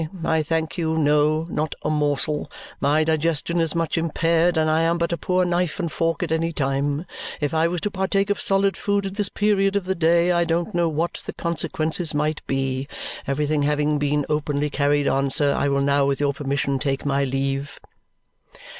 I thank you, no, not a morsel. My digestion is much impaired, and I am but a poor knife and fork at any time. If I was to partake of solid food at this period of the day, I don't know what the consequences might be. Everything having been openly carried on, sir, I will now with your permission take my leave."